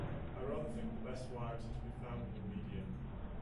I rather think the best wives are to be found in a medium.